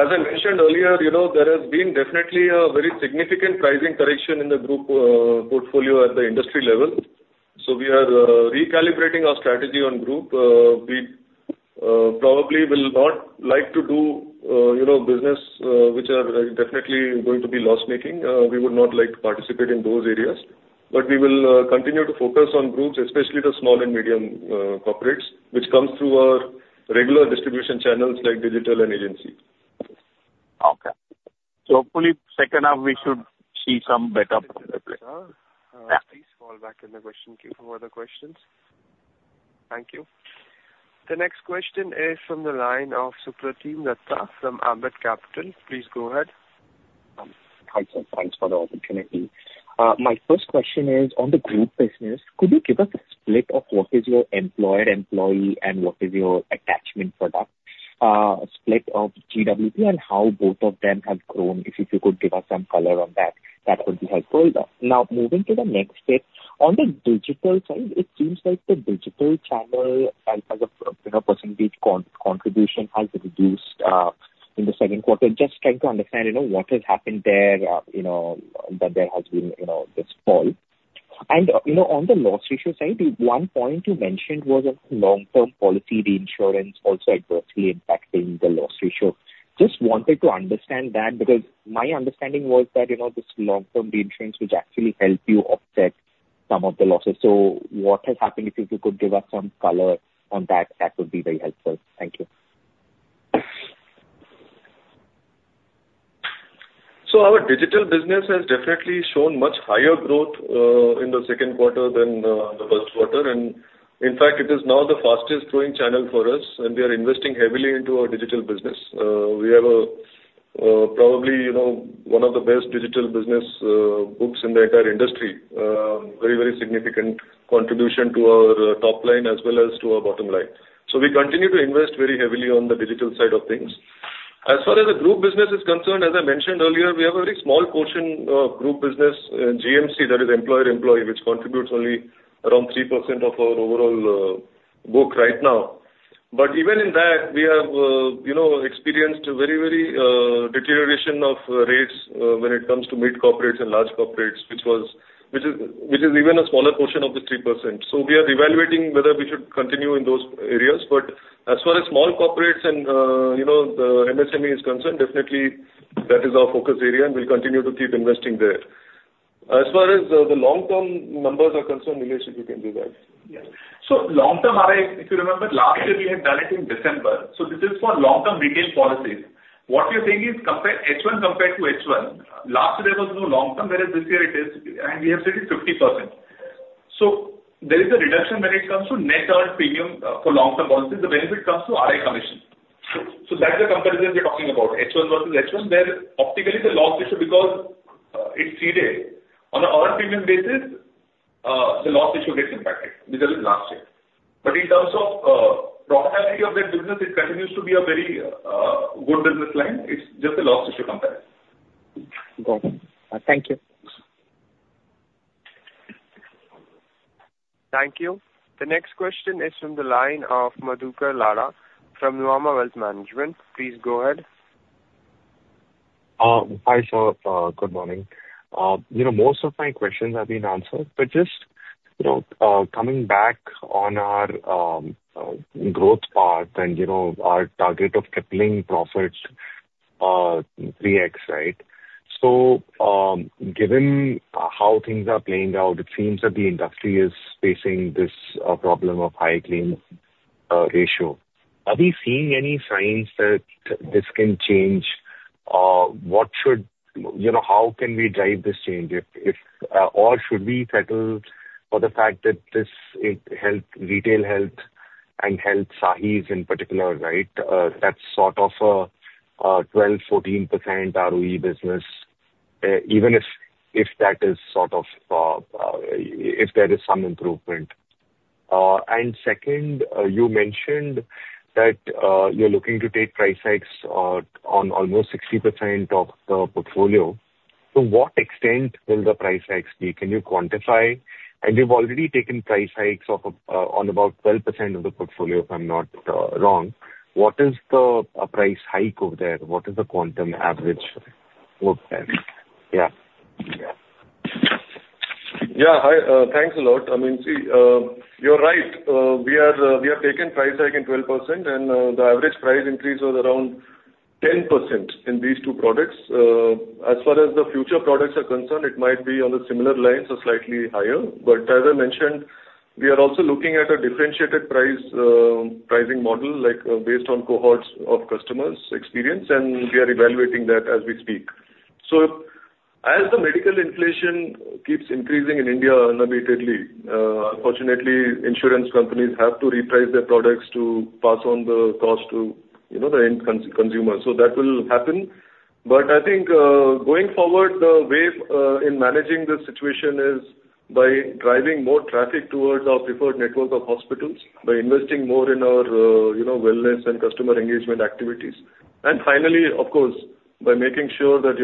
as I mentioned earlier, there has been definitely a very significant pricing correction in the group portfolio at the industry level. So we are recalibrating our strategy on group. We probably will not like to do business which are definitely going to be loss-making. We would not like to participate in those areas. But we will continue to focus on groups, especially the small and medium corporates, which comes through our regular distribution channels like digital and agency. Okay. So hopefully, second half, we should see some better progress. Please fall back in the question queue for other questions. Thank you. The next question is from the line of Supratim Datta from Ambit Capital. Please go ahead. Thanks for the opportunity. My first question is, on the group business, could you give us a split of what is your employer employee and what is your attachment product split of GWP and how both of them have grown? If you could give us some color on that, that would be helpful. Now, moving to the next bit, on the digital side, it seems like the digital channel as a percentage contribution has reduced in the second quarter. Just trying to understand what has happened there that there has been this fall. And on the loss ratio side, one point you mentioned was long-term policy reinsurance also adversely impacting the loss ratio. Just wanted to understand that because my understanding was that this long-term reinsurance would actually help you offset some of the losses. So what has happened? If you could give us some color on that, that would be very helpful. Thank you. So our digital business has definitely shown much higher growth in the second quarter than the first quarter. And in fact, it is now the fastest growing channel for us. And we are investing heavily into our digital business. We have probably one of the best digital business books in the entire industry, very, very significant contribution to our top line as well as to our bottom line, so we continue to invest very heavily on the digital side of things. As far as the group business is concerned, as I mentioned earlier, we have a very small portion of group business, GMC, that is employer-employee, which contributes only around 3% of our overall book right now. But even in that, we have experienced very, very deterioration of rates when it comes to mid-corporates and large corporates, which is even a smaller portion of the 3%. So we are evaluating whether we should continue in those areas, but as far as small corporates and the MSME is concerned, definitely that is our focus area and we'll continue to keep investing there. As far as the long-term numbers are concerned, Nilesh, if you can do that. Yeah. So long-term, RI, if you remember, last year we had tie in December. So this is for long-term retail policies. What we are saying is H1 compared to H1. Last year, there was no long-term. Whereas this year, it is. And we have saved 50%. So there is a reduction when it comes to net earned premium for long-term policies. The benefit comes to RI commission. So that's the comparison we're talking about, H1 versus H1, where optically the loss ratio because it's ceded. On an earned premium basis, the loss ratio gets impacted, which was last year. But in terms of profitability of that business, it continues to be a very good business line. It's just a loss ratio comparison. Got it. Thank you. Thank you. The next question is from the line of Madhukar Ladha from Nuvama Wealth Management. Please go ahead. Hi, sir. Good morning. Most of my questions have been answered. But just coming back on our growth path and our target of tripling profits, 3x, right? So given how things are playing out, it seems that the industry is facing this problem of high claims ratio. Are we seeing any signs that this can change? How can we drive this change? Or should we settle for the fact that this helped retail health and helped Star Health in particular, right? That's sort of a 12%-14% ROE business, even if that is sort of if there is some improvement. And second, you mentioned that you're looking to take price hikes on almost 60% of the portfolio. To what extent will the price hikes be? Can you quantify? You've already taken price hikes on about 12% of the portfolio, if I'm not wrong. What is the price hike over there? What is the quantum average over there? Yeah. Yeah. Yeah. Thanks a lot. I mean, see, you're right. We have taken price hike in 12%, and the average price increase was around 10% in these two products. As far as the future products are concerned, it might be on the similar lines or slightly higher. But as I mentioned, we are also looking at a differentiated pricing model based on cohorts of customers' experience, and we are evaluating that as we speak. As the medical inflation keeps increasing in India unabatedly, unfortunately, insurance companies have to reprice their products to pass on the cost to the end consumer. That will happen. But I think going forward, the way in managing the situation is by driving more traffic towards our preferred network of hospitals, by investing more in our wellness and customer engagement activities. And finally, of course, by making sure that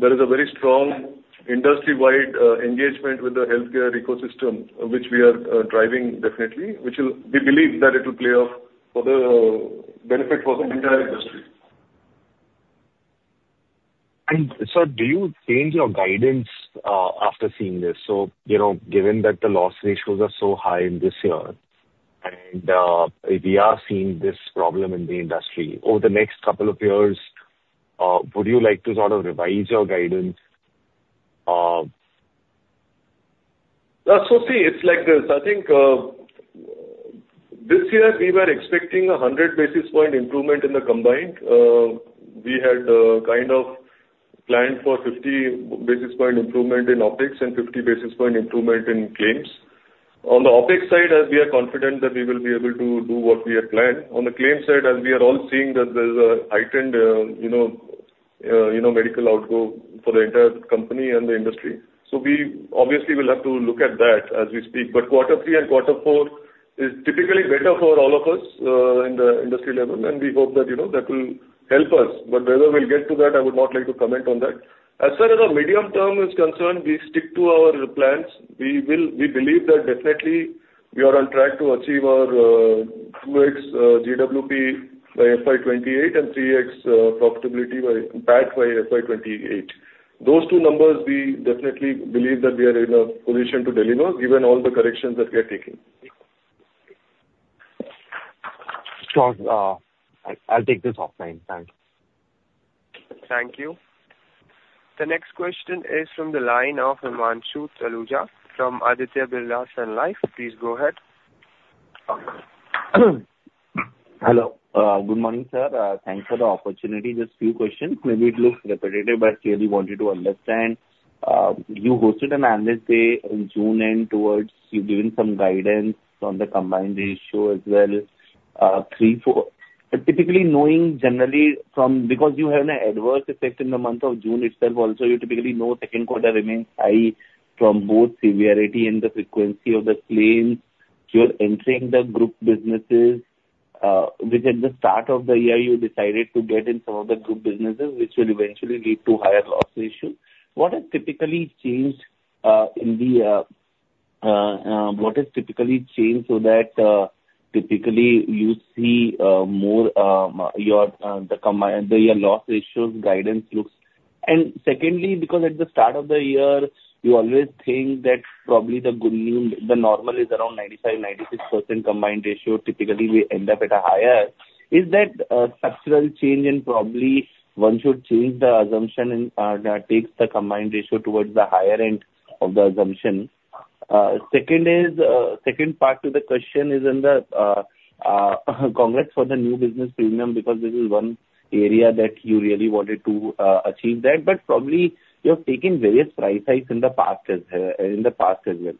there is a very strong industry-wide engagement with the healthcare ecosystem, which we are driving definitely, which we believe that it will play off for the benefit for the entire industry. And sir, do you change your guidance after seeing this? So given that the loss ratios are so high this year, and we are seeing this problem in the industry, over the next couple of years, would you like to sort of revise your guidance? So see, it's like this. I think this year, we were expecting a 100 basis points improvement in the combined. We had kind of planned for 50 basis point improvement in OpEx and 50 basis point improvement in claims. On the OpEx side, as we are confident that we will be able to do what we have planned. On the claims side, as we are all seeing that there's a heightened medical outgo for the entire company and the industry. So we obviously will have to look at that as we speak. But quarter three and quarter four is typically better for all of us in the industry level, and we hope that that will help us. But whether we'll get to that, I would not like to comment on that. As far as our medium term is concerned, we stick to our plans. We believe that definitely we are on track to achieve our 2x GWP by FY28 and 3x profitability by FY28. Those two numbers, we definitely believe that we are in a position to deliver given all the corrections that we are taking. Sir, I'll take this offline. Thanks. Thank you. The next question is from the line of Himanshu Taluja from Aditya Birla Sun Life. Please go ahead. Hello. Good morning, sir. Thanks for the opportunity. Just a few questions. Maybe it looks repetitive, but I clearly wanted to understand. You hosted an analyst day in June and towards you've given some guidance on the combined ratio as well. But typically, knowing generally from because you have an adverse effect in the month of June itself, also you typically know second quarter remains high from both severity and the frequency of the claims. You're entering the group businesses, which at the start of the year, you decided to get in some of the group businesses, which will eventually lead to higher loss ratios. What has typically changed so that typically you see more your loss ratios guidance looks? And secondly, because at the start of the year, you always think that probably the normal is around 95%-96% combined ratio. Typically, we end up at a higher. Is that structural change and probably one should change the assumption and take the combined ratio towards the higher end of the assumption? Second part to the question is in the concessions for the new business premium because this is one area that you really wanted to achieve that. But probably you have taken various price hikes in the past as well.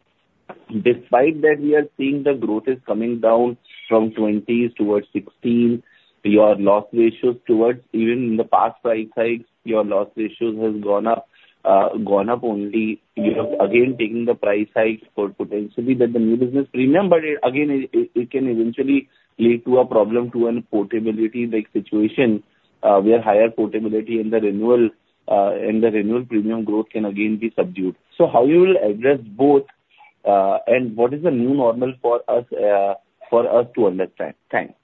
Despite that, we are seeing the growth is coming down from 20s towards 16. Your loss ratios too, even in the past price hikes, your loss ratios have gone up only. You have again taken the price hike for potentially the new business premium. But again, it can eventually lead to a problem to an affordability-like situation where higher affordability and the renewal premium growth can again be subdued. So how you will address both and what is the new normal for us to understand? Thanks.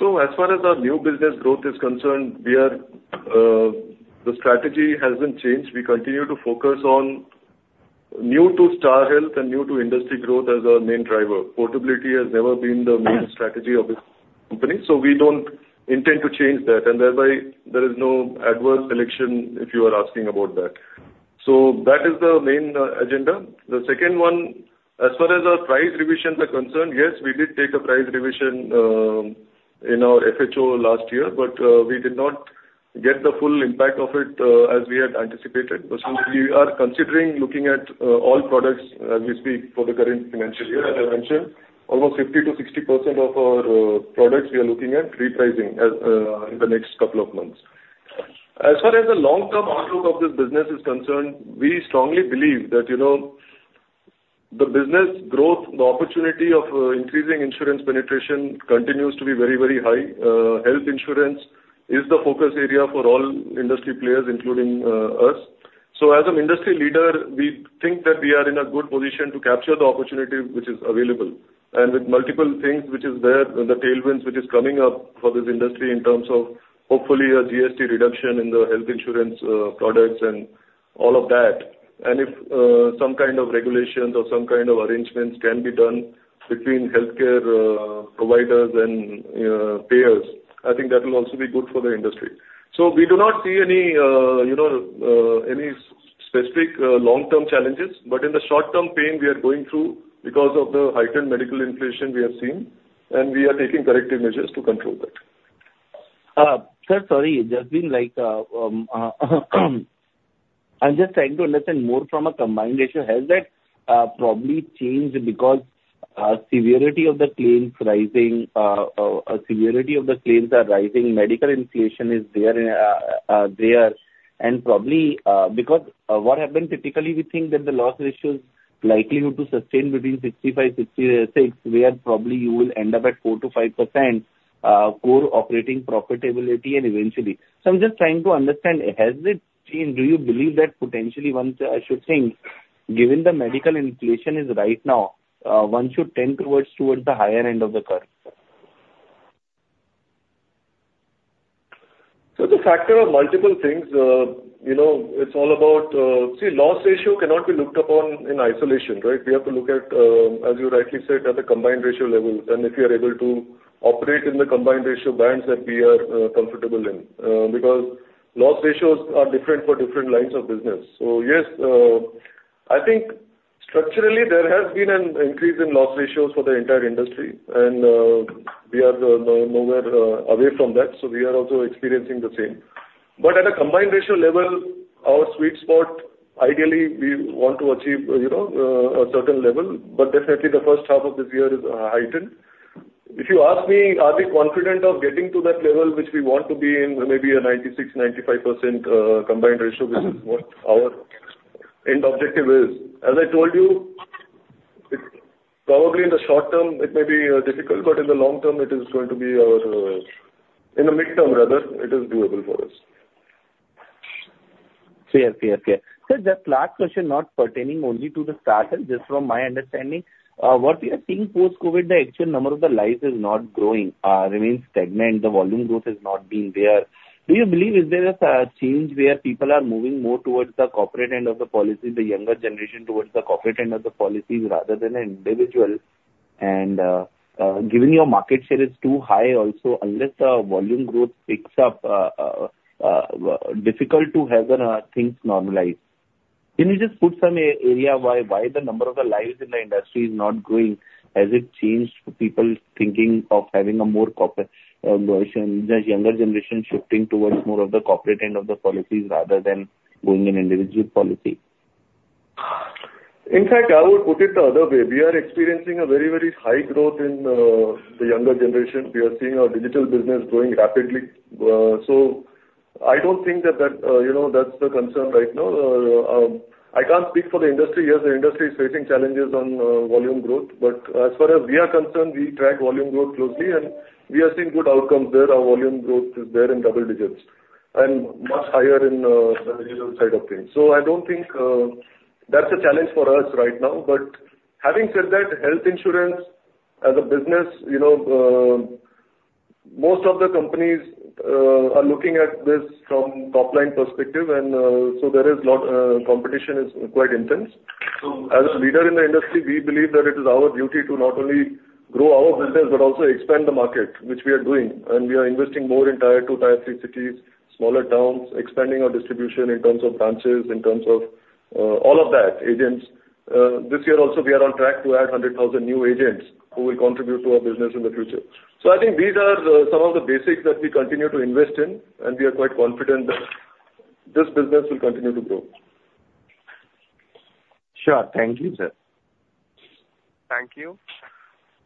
So as far as our new business growth is concerned, the strategy hasn't changed. We continue to focus on new to Star Health and new to industry growth as our main driver. Portability has never been the main strategy of this company. So we don't intend to change that. And thereby, there is no adverse selection if you are asking about that. So that is the main agenda. The second one, as far as our price revisions are concerned, yes, we did take a price revision in our FHO last year, but we did not get the full impact of it as we had anticipated. But since we are considering looking at all products as we speak for the current financial year, as I mentioned, almost 50%-60% of our products we are looking at repricing in the next couple of months. As far as the long-term outlook of this business is concerned, we strongly believe that the business growth, the opportunity of increasing insurance penetration continues to be very, very high. Health insurance is the focus area for all industry players, including us. So as an industry leader, we think that we are in a good position to capture the opportunity which is available. And with multiple things which is there, the tailwinds which is coming up for this industry in terms of hopefully a GST reduction in the health insurance products and all of that. And if some kind of regulations or some kind of arrangements can be done between healthcare providers and payers, I think that will also be good for the industry. So we do not see any specific long-term challenges. But in the short-term pain we are going through because of the heightened medical inflation we have seen, and we are taking corrective measures to control that. Sir, sorry, it just seemed like I'm just trying to understand more from a combined ratio. Has that probably changed because severity of the claims rising, severity of the claims are rising, medical inflation is there? Probably because what happened typically, we think that the loss ratios likelihood to sustain between 65%-66%, where probably you will end up at 4%-5% core operating profitability and eventually. I'm just trying to understand, has it changed? Do you believe that potentially one should think, given the medical inflation is right now, one should tend towards the higher end of the curve? The factor of multiple things, it's all about, see, loss ratio cannot be looked upon in isolation, right? We have to look at, as you rightly said, at the combined ratio level. If you're able to operate in the combined ratio bands that we are comfortable in, because loss ratios are different for different lines of business. So yes, I think structurally there has been an increase in loss ratios for the entire industry, and we are nowhere away from that. So we are also experiencing the same. But at a combined ratio level, our sweet spot, ideally, we want to achieve a certain level. But definitely, the first half of this year is heightened. If you ask me, are we confident of getting to that level which we want to be in, maybe a 96%-95% combined ratio, which is what our end objective is? As I told you, probably in the short term, it may be difficult, but in the long term, it is going to be our in the midterm, rather, it is doable for us. Fair, fair, fair. Sir, just last question, not pertaining only to Star, just from my understanding, what we are seeing post-COVID, the actual number of the lives is not growing, remains stagnant. The volume growth has not been there. Do you believe is there a change where people are moving more towards the corporate end of the policy, the younger generation towards the corporate end of the policies rather than an individual? And given your market share is too high also, unless the volume growth picks up, difficult to have things normalized. Can you just shed some light on why the number of the lives in the industry is not growing? Has it changed people thinking of having a more corporate version? Is the younger generation shifting towards more of the corporate end of the policies rather than going in individual policy? In fact, I would put it the other way. We are experiencing a very, very high growth in the younger generation. We are seeing our digital business growing rapidly, so I don't think that that's the concern right now. I can't speak for the industry. Yes, the industry is facing challenges on volume growth, but as far as we are concerned, we track volume growth closely, and we have seen good outcomes there. Our volume growth is there in double digits and much higher in the digital side of things, so I don't think that's a challenge for us right now, but having said that, health insurance as a business, most of the companies are looking at this from top-line perspective, and so there is a lot of competition, is quite intense. So as a leader in the industry, we believe that it is our duty to not only grow our business, but also expand the market, which we are doing. And we are investing more in tier two, tier three cities, smaller towns, expanding our distribution in terms of branches, in terms of all of that, agents. This year also, we are on track to add 100,000 new agents who will contribute to our business in the future. So I think these are some of the basics that we continue to invest in, and we are quite confident that this business will continue to grow. Sure. Thank you, sir. Thank you.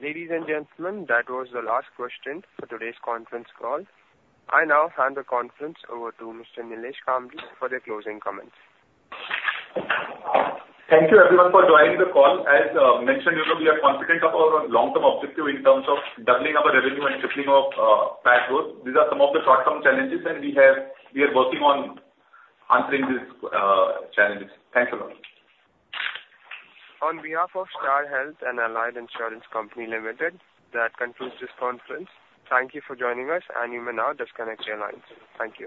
Ladies and gentlemen, that was the last question for today's conference call. I now hand the conference over to Mr. Nilesh Kambli for the closing comments. Thank you, everyone, for joining the call. As mentioned, we are confident of our long-term objective in terms of doubling our revenue and tripling our cash growth. These are some of the short-term challenges, and we are working on answering these challenges. Thanks a lot. On behalf of Star Health and Allied Insurance Company Limited, that concludes this conference. Thank you for joining us, and you may now disconnect your lines. Thank you.